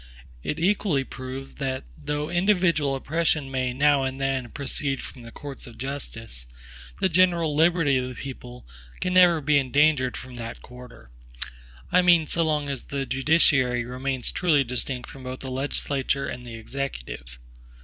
It equally proves, that though individual oppression may now and then proceed from the courts of justice, the general liberty of the people can never be endangered from that quarter; I mean so long as the judiciary remains truly distinct from both the legislature and the Executive.